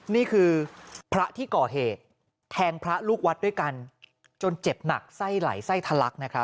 นี่คือพระที่ก่อเหตุแทงพระลูกวัดด้วยกันจนเจ็บหนักไส้ไหลไส้ทะลักนะครับ